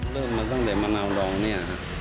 เริ่มมาตั้งแต่มะนาวดองเนี่ยครับ